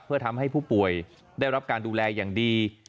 เพื่อทำให้ผู้ป่วยได้รับการดูแลอย่างดี